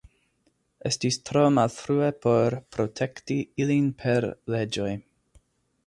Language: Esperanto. Estis tro malfrue por protekti ilin per leĝoj.